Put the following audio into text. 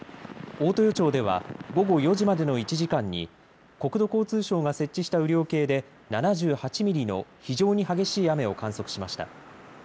大豊町では午後４時までの１時間に、国土交通省が設置した雨量計で、７８ミリの非常に激しい雨を観測しました。